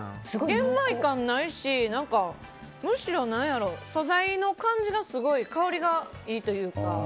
玄米感ないし、むしろ素材の感じがすごい香りがいいというか。